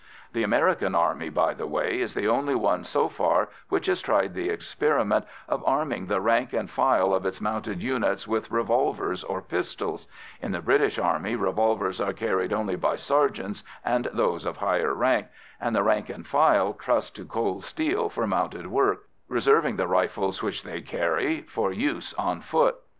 The American Army, by the way, is the only one so far which has tried the experiment of arming the rank and file of its mounted units with revolvers or pistols; in the British Army revolvers are carried only by sergeants and those of higher rank, and the rank and file trust to cold steel for mounted work, reserving the rifles which they carry for use on foot.